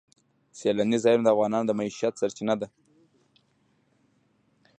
سیلانی ځایونه د افغانانو د معیشت سرچینه ده.